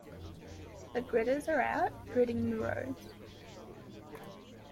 The gritters are out gritting the roads.